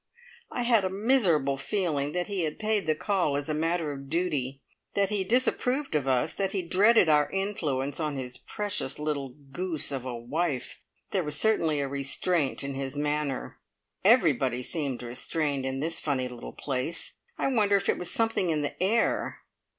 I had a miserable feeling that he had paid the call as a matter of duty, that he disapproved of us, that he dreaded our influence on his precious little goose of a wife. There was certainly a restraint in his manner. Everybody seemed restrained in this funny little place. I wonder if it was something in the air!